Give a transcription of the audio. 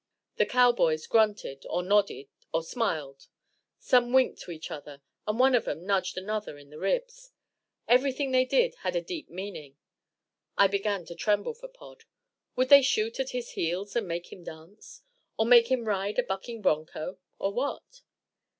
The cowboys grunted, or nodded, or smiled, some winked to each other, and one of 'em nudged another in the ribs; everything they did had a deep meaning. I began to tremble for Pod. Would they shoot at his heels and make him dance? Or make him ride a bucking bronco? Or what?